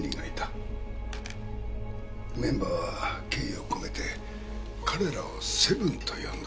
メンバーは敬意を込めて彼らを「セブン」と呼んだ。